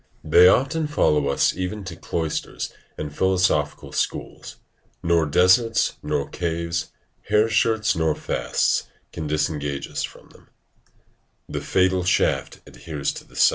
they often follow us even to cloisters and philosophical schools; nor deserts, nor caves, hair shirts, nor fasts, can disengage us from them: "Haeret lateri lethalis arundo." ["The fatal shaft adheres to the side."